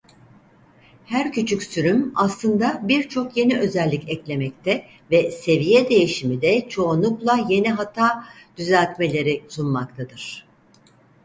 Her küçük sürüm aslında birçok yeni özellik eklemekte ve seviye değişimi de çoğunlukla yeni hata düzeltmeleri sunmaktadır.